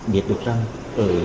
biết được rằng